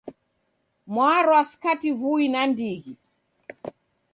Mwarwa skati vui nandighi